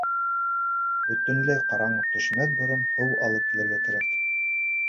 «Бөтөнләй ҡараңғы төшмәҫ борон һыу алып килергә кәрәк».